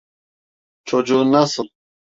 Çocuğun nasıl?